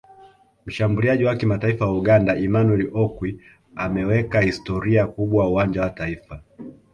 Mshambuliaji wa kimataifa wa Uganda Emmanuel Okwi ameweka historia kubwa uwanja wa taifa